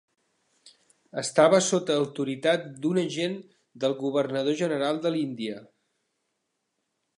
Estava sota autoritat d'un agent del Governador General de l'Índia.